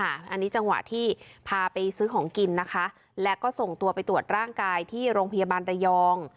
อันนี้จังหวะที่พาไปซื้อของกินนะคะแล้วก็ส่งตัวไปตรวจร่างกายที่โรงพยาบาลระยอง